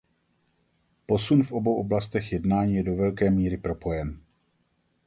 Posun v obou oblastech jednání je do velké míry propojen.